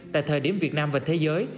tại thời điểm việt nam và thế giới